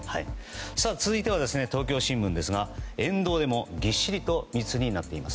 続いては、東京新聞ですが沿道でもぎっしりと密になっています。